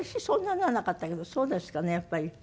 そんなにならなかったけどそうですかねやっぱり。